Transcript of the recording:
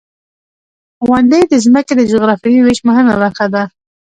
• غونډۍ د ځمکې د جغرافیوي ویش مهمه برخه ده.